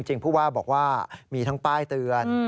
ผู้ว่าบอกว่ามีทั้งป้ายเตือน